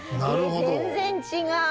全然違う！